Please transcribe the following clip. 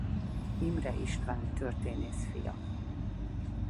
Imreh István történész fia.